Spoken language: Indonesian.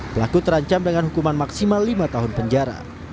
pelaku terancam dengan hukuman maksimal lima tahun penjara